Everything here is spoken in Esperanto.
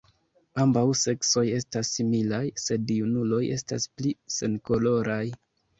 Ambaŭ seksoj estas similaj, sed junuloj estas pli senkoloraj.